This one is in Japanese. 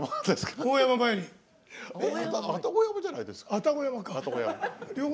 愛宕山じゃないですか？